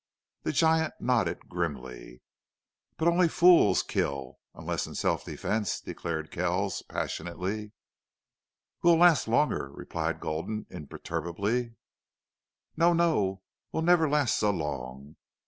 The giant nodded grimly. "But only fools kill unless in self defense," declared Kells, passionately. "We'd last longer," replied Gulden, imperturbably. "No no. We'd never last so long.